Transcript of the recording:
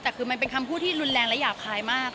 แต่คือมันเป็นคำพูดที่รุนแรงและหยาบคายมาก